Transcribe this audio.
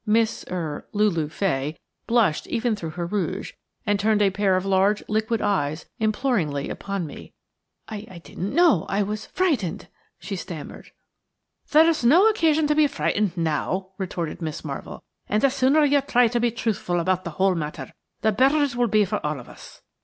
Miss–er–Lulu Fay blushed even through her rouge, and turned a pair of large, liquid eyes imploringly upon me. "I–I didn't know. I was frightened," she stammered. "There's no occasion to be frightened now," retorted Miss Marvell, "and the sooner you try and be truthful about the whole matter, the better it will be for all of us."